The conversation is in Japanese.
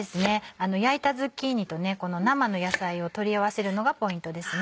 焼いたズッキーニと生の野菜を取り合わせるのがポイントですね。